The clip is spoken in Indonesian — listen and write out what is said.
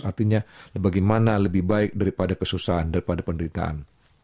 artinya bagaimana lebih baik daripada kesusahan daripada penderitaan